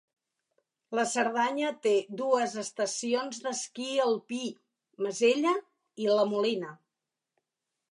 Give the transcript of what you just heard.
La Cerdanya te dues estacions d'esquí alpí Masella i La Molina.